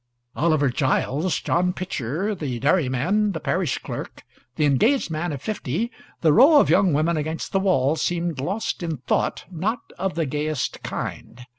Oliver Giles, John Pitcher, the dairyman, the parish clerk, the engaged man of fifty, the row of young women against the wall, seemed lost in thought not of the gayest kind.